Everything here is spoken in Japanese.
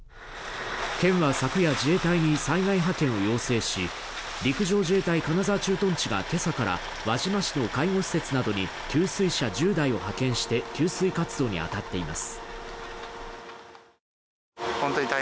県は昨夜、自衛隊に災害派遣を要請し陸上自衛隊金沢駐屯地が今朝から輪島市の介護施設などに給水車１０台を派遣して給水活動に当たっています。